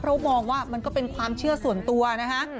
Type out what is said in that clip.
เพราะมองว่ามันก็เป็นความเชื่อส่วนตัวนะฮะ